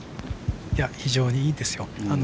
非常にいいですよ。